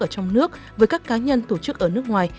ở trong nước với các cá nhân tổ chức ở nước ngoài